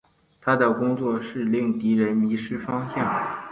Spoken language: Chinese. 他的工作是令敌人迷失方向。